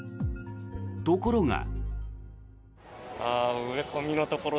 ところが。